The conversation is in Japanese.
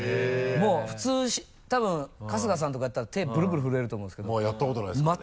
もう普通多分春日さんとかだったら手ブルブル震えると思うんですけどやったことないですからね。